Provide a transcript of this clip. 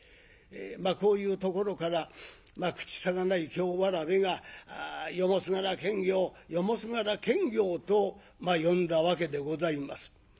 こういうところから口さがない京童が「夜もすがら検校夜もすがら検校」と呼んだわけでございます。